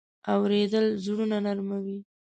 اورېدل زړونه نرمه وي.